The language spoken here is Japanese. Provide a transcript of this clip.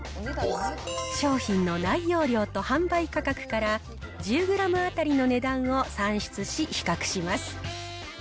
商品の内容量と販売価格から、１０グラム当たりの値段を算出し、比較します。